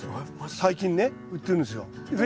最近ね売ってるんですよ。